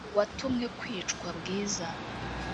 uwatumwe kwica bwiza